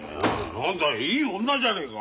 何だいい女じゃねえか。